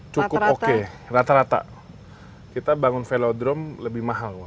cukup oke rata rata kita bangun velodrome lebih mahal